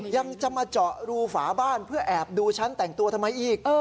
ยังจะมาเจาะรูฝาบ้านเพื่อแอบดูฉันแต่งตัวทำไมอีก